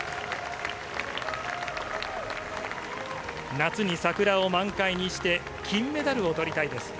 夏に桜を満開にして、金メダルをとりたいです。